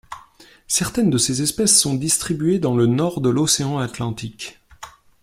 Certaines de ces espèces sont distribuées dans le Nord de l'océan Atlantique.